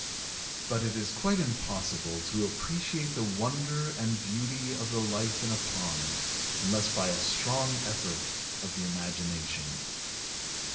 But it is quite impossible to appreciate the wonder and beauty of the life in a pond unless by a strong effort of the imagination.